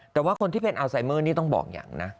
แต่ว่าคนที่เป็นอัลไซเมอร์นี่ต้องบอกอย่างนะ